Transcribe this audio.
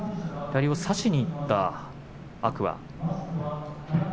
左を差しにいった天空海。